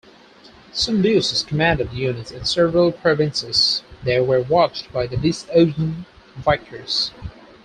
Some duces commanded units in several provinces: they were watched by the diocesan vicars.